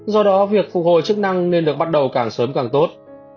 do đó việc phục hồi chức năng nên được bắt đầu càng sớm càng tốt